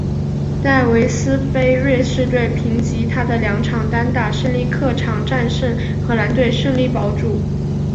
戴维斯杯瑞士队凭藉他的两场单打胜利客场战胜荷兰队顺利保组。